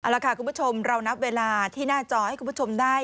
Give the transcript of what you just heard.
เอาละค่ะคุณผู้ชมเรานับเวลาที่หน้าจอให้คุณผู้ชมได้